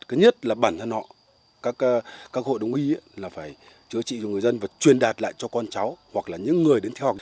thứ nhất là bản thân họ các hội đồng y là phải chữa trị cho người dân và truyền đạt lại cho con cháu hoặc là những người đến theo